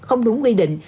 không đúng quy định